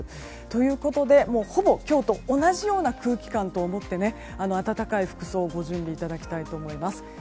ということで、ほぼ今日と同じような空気感と思って暖かい服装をご準備いただきたいと思います。